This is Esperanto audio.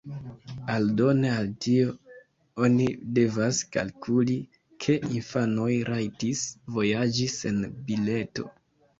Aldone al tio, oni devas kalkuli ke infanoj rajtis vojaĝi sen bileto.